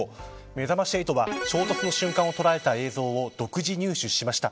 めざまし８は、衝突の瞬間を捉えた映像を独自入手しました。